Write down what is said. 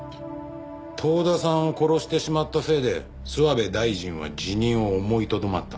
遠田さんを殺してしまったせいで諏訪部大臣は辞任を思いとどまった。